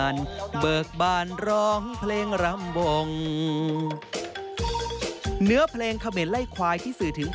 เนื้อเพลงเขม่นไล่ควายที่สื่อถึง